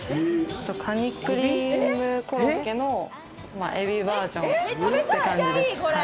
カニクリームコロッケのエビバージョンって感じです。